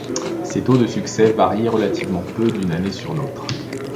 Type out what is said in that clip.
Ces taux de succès variaient relativement peu, d'une année sur l'autre.